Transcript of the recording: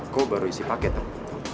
kau baru isi paket dong